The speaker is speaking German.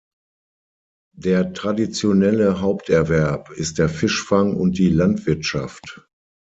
Der traditionelle Haupterwerb ist der Fischfang und die Landwirtschaft.